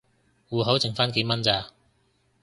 戶口剩番幾蚊咋